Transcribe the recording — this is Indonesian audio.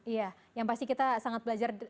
iya yang pasti kita sangat belajar